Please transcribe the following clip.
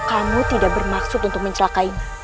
kamu tidak bermaksud untuk mencelakai